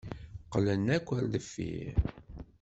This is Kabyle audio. Qqlen akk ar deffir.